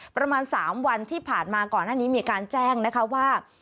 ประมาณ๓วันที่ผ่านมาก่อนหน้านี้มีการแจ้งนะคะว่า